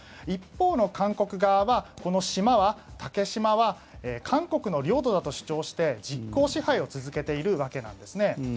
一方の韓国側はこの島は、竹島は韓国の領土だと主張して実効支配を続けているわけなんですね。